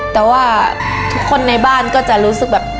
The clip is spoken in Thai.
แต่ว่าทุกคนในบ้านก็จะรู้สึกแบบ